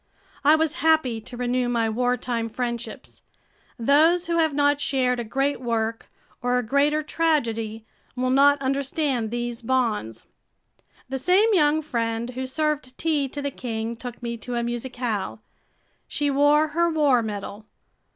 I was happy to renew my wartime friendships. Those who have not shared a great work or a greater tragedy will not understand these bonds. The same young friend who served tea to the king took me to a musicale. She wore her war medal.